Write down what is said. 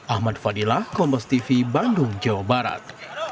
ahmad fadillah kompos tv bandung jawa barat